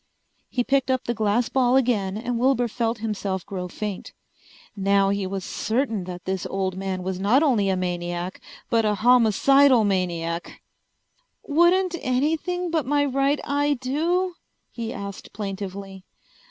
He picked up the glass ball again and Wilbur felt himself grow faint. Now he was certain that this old man was not only a maniac but a homicidal maniac! "Wouldn't anything but my right eye do?" he asked plaintively.